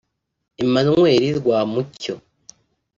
Emmanuel Rwamucyo